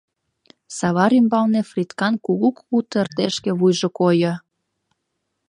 Савар ӱмбалне Фридкан кугу-кугу тыртешке вуйжо койо.